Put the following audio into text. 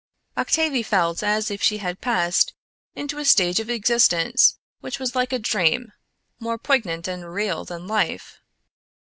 Octavie felt as if she had passed into a stage of existence which was like a dream, more poignant and real than life.